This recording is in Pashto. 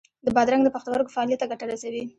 د بادرنګ د پښتورګو فعالیت ته ګټه رسوي.